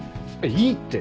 いいって！